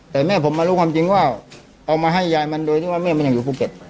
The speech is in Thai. แต่แม่ผมมารู้ความจริงว่าเอามาให้ยายมันโดยที่ว่าแม่มันยังอยู่ภูเก็ต